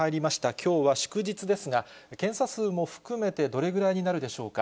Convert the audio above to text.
きょうは祝日ですが、検査数も含めてどれぐらいになるでしょうか。